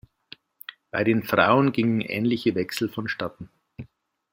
Bei den Frauen gingen ähnliche Wechsel vonstatten.